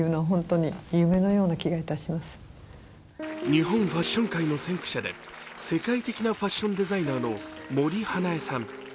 日本ファッション界の先駆者で世界的なファッションデザイナーの森英恵さん。